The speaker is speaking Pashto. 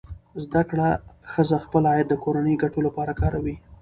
زده کړه ښځه خپل عاید د کورنۍ ګټو لپاره کاروي.